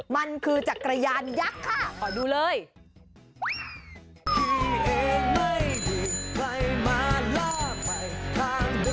มันคือจักรยานยักษ์ค่ะ